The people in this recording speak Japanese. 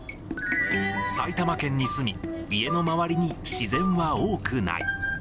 埼玉県に住み、家の周りに自然は多くない。